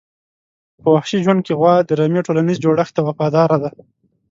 په وحشي ژوند کې غوا د رمي ټولنیز جوړښت ته وفاداره ده.